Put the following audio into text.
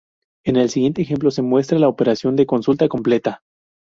En el siguiente ejemplo se muestra la operación de consulta completa.